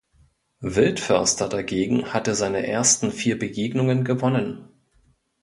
Wildförster dagegen hatte seine ersten vier Begegnungen gewonnen.